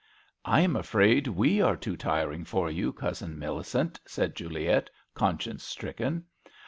" I am afraid we are too tiring for you. Cousin Millicent," said Juliet, conscience striken.